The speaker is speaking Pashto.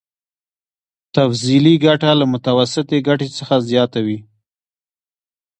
تفضيلي ګټه له متوسطې ګټې څخه زیاته وي